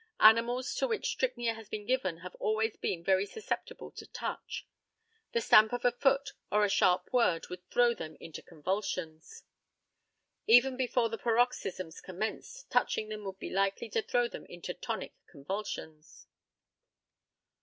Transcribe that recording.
Animals to which strychnia had been given have always been very susceptible to touch. The stamp of a foot or a sharp word would throw them into convulsions. Even before the paroxysms commenced touching them would be likely to throw them into tonic convulsions.